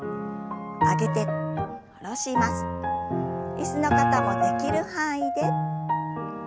椅子の方もできる範囲で。